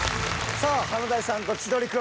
さあ「華大さんと千鳥くん」